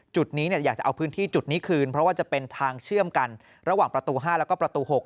จุดนี้อยากจะเอาพื้นที่จุดนี้คืนเพราะว่าจะเป็นทางเชื่อมกันระหว่างประตู๕แล้วก็ประตู๖